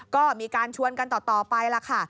ก็มีการชวนกันต่อไปล่ะค่ะ